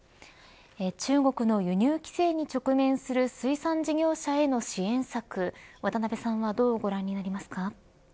中国の輸入規制に直面する水産事業者への支援策渡辺さんはどうご覧になりますか。